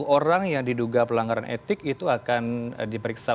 tiga puluh satu orang yang diduga pelanggaran etik itu akan diperiksa